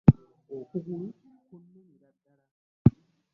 Okugulu kunnumira ddala.